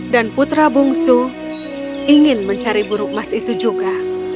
dan putra bungsu ingin mencari burung emas itu juga